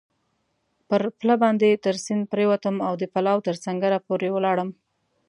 پر پله باندې تر سیند پورېوتم او د پلاوا تر سنګره پورې ولاړم.